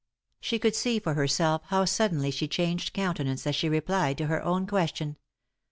" She could see for herself how suddenly she changed countenance as she replied to her own question.